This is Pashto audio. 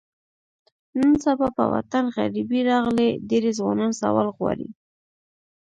نن سبا په وطن غریبي راغلې، ډېری ځوانان سوال غواړي.